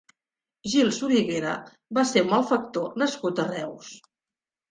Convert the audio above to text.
Gil Soriguera va ser un malfactor nascut a Reus.